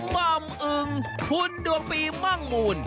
หม่ำอึงคุณดวงปีมั่งมูล